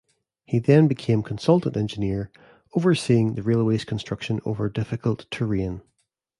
He then became consultant engineer, overseeing the railway's construction over difficult terrain.